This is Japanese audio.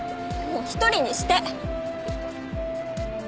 もう一人にして。